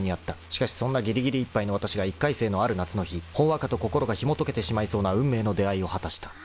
［しかしそんなギリギリいっぱいのわたしが１回生のある夏の日ほんわかと心がひもとけてしまいそうな運命の出会いを果たした］